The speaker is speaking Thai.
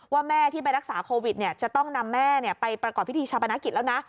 แม่ที่ไปรักษาโควิดจะต้องนำแม่ไปประกอบพิธีชาปนกิจแล้วนะ